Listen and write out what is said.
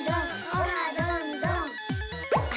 オハどんどん！